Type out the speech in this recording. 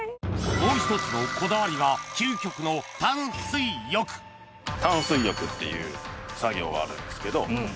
もう１つのこだわりが究極の淡水浴っていう作業があるんですけど。